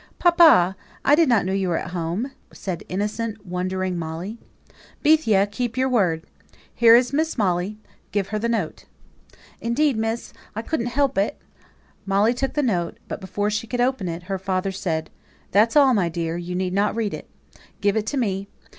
"Papa! I did not know you were at home," said innocent, wondering Molly. "Bethia, keep your word. Here is Miss Molly; give her the note." "Indeed, miss, I couldn't help it!" Molly took the note, but before she could open it, her father said, "That's all, my dear; you needn't read it. Give it to me.